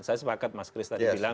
saya sepakat mas kris tadi bilang